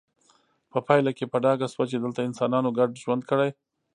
په پایله کې په ډاګه شوه چې دلته انسانانو ګډ ژوند کړی